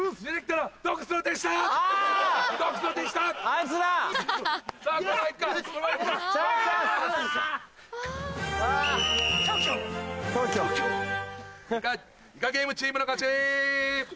『イカゲーム』チームの勝ち！